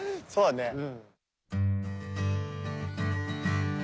そうだね。